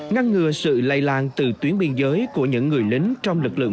ngăn ngừa sự lây lan từ tuyến biên giới của những người lính trong lực lượng